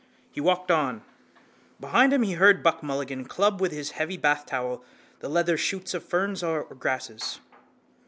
He walked on. Behind him he heard Buck Mulligan club with his heavy bathtowel the leader shoots of ferns or grasses.